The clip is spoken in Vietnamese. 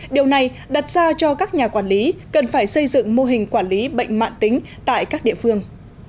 điều này đặt ra cho các nhà quản lý cần phải xây dựng mô hình quản lý bệnh mạng tính tại các địa phương